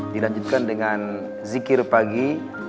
dilanjutkan dengan zikir pagi